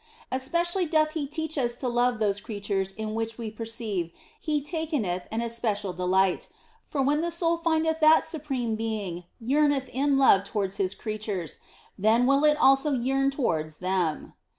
Especially doth He teach us to love those creatures in which we perceive He taketh an especial delight ; for when the soul findeth that Supreme Being yearneth in love towards His creatures, then will it also yearn towards them.